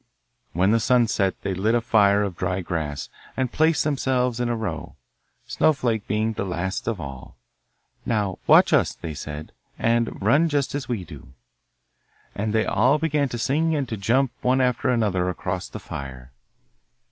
When the sun set they lit a fire of dry grass, and placed themselves in a row, Snowflake being the last of all. 'Now, watch us,' they said, 'and run just as we do.' And they all began to sing and to jump one after another across the fire.